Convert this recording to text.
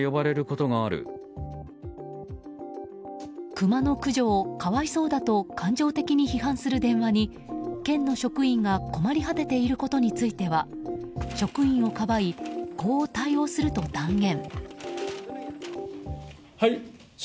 クマの駆除を可哀想だと感情的に批判する電話に県の職員が困り果てていることについては職員をかばいこう対応すると断言。